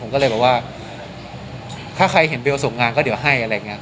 ผมก็เลยแบบว่าถ้าใครเห็นเบลส่งงานก็เดี๋ยวให้อะไรอย่างนี้